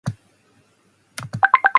He pondered a minute.